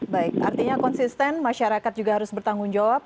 baik artinya konsisten masyarakat juga harus bertanggung jawab